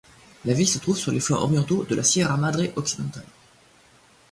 La ville se trouve sur les flancs orientaux de la Sierra Madre occidentale.